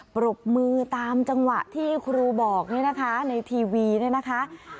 ปรบมือตามจังหวะที่ครูบอกนี่นะคะในทีวีเนี่ยนะคะ